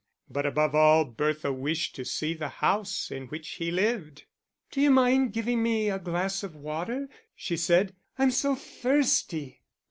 But above all Bertha wished to see the house in which he lived. "D'you mind giving me a glass of water?" she said, "I'm so thirsty."